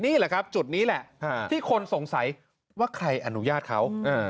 นี่แหละครับจุดนี้แหละที่คนสงสัยว่าใครอนุญาตเขา